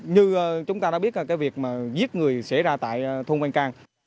như chúng ta đã biết là cái việc giết người xảy ra